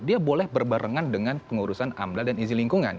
dia boleh berbarengan dengan pengurusan amdal dan izin lingkungan